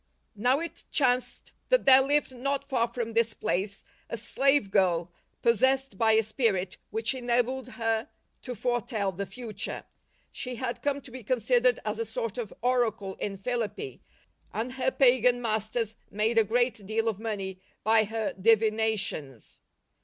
Now it chanced that there lived not far from this place a slave ghi possessed by a spirit which enabled her to foretell the future. She had come to be considered as a sort of oracle in Philippi, and her pagan masters made a great deal of money by her divina tions.